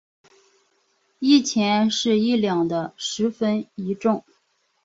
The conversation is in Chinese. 一钱是一两的十分一重。